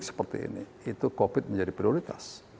seperti ini itu covid menjadi prioritas